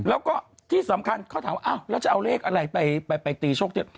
แล้วก็ที่สำคัญเขาถามว่าอ้าวแล้วจะเอาเลขอะไรไปตีโชคเทพ